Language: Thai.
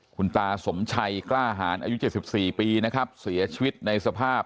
คุณตาสมชัยกล้าหารอายุ๗๔ปีนะครับเสียชีวิตในสภาพ